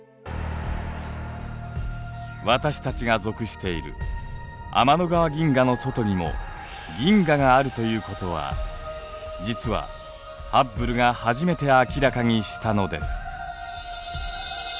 私たちが属している天の川銀河の外にも銀河があるということは実はハッブルが初めて明らかにしたのです。